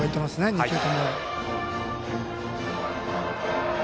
２球とも。